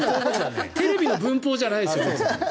テレビの文法じゃないです。